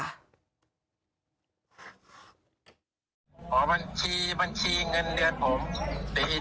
บัญชีเงินเลือดผม